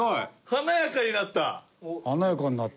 華やかになった。